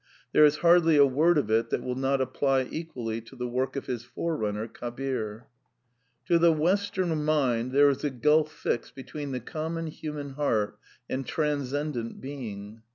There is hardly a word of it that will not apply equally to the work of his fore runner, Kabir. To the Western mind there is a gulf fixed between the common human heart and Transcendent Being.